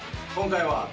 今回は。